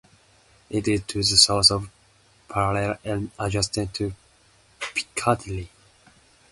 It is to the south of, parallel, and adjacent to Piccadilly.